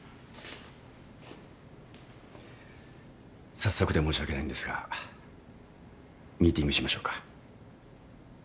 早速で申し訳ないんですがミーティングしましょうか。